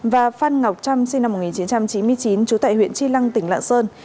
và phan ngọc trâm sinh năm một nghìn chín trăm chín mươi chín chú tại huyện tri lăng tỉnh lạ sơn